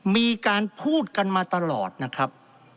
มีการพูดกันมาตลอดนะครับ